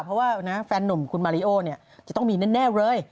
เพราะว่าแฟนหนุ่มคุณมาริโอเนี่ยจะต้องมีแน่เลย